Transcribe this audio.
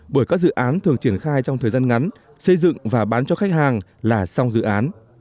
bởi các dự án thường triển khai trong thời gian ngắn xây dựng và bán cho khách hàng là xong dự án